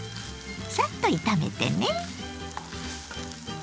サッと炒めてね。